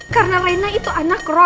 karena rena itu anak roy